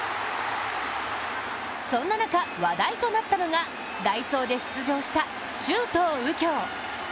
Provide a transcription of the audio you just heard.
そんな中、話題となったのが代走で出場した周東佑京。